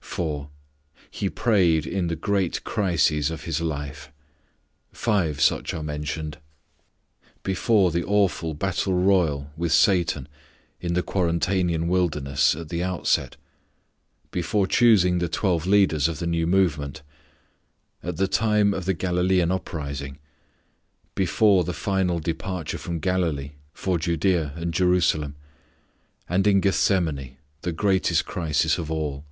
4. He prayed in the great crises of His life: Five such are mentioned: Before the awful battle royal with Satan in the Quarantanian wilderness at the outset; before choosing the twelve leaders of the new movement; at the time of the Galilean uprising; before the final departure from Galilee for Judea and Jerusalem; and in Gethsemane, the greatest crisis of all.